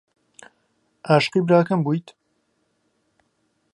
عاشقی براکەم بوویت؟